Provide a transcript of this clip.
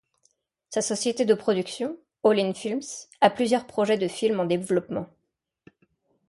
Sa société de production, All In Films, a plusieurs projets de films en développement.